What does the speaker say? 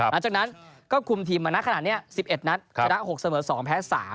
ดังนั้นก็คุมทีมมานะขนาดนี้สิบเอ็ดหนัดคำนั้น๓๕๒แพ้๓